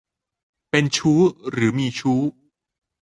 เป็นชู้หรือมีชู้